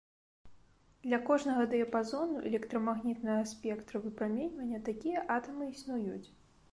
Для кожнага дыяпазону электрамагнітнага спектра выпраменьвання такія атамы існуюць.